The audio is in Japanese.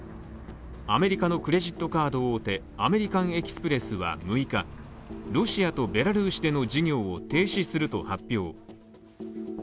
アメリカのクレジットカード大手、アメリカン・エキスプレスは６日、ロシアとベラルーシでの事業を停止すると発表。